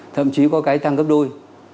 thậm chí có cái tăng gấp đôi